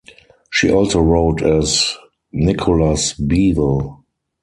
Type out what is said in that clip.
She also wrote as Nicholas Bevel.